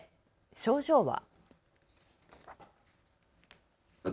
症状は。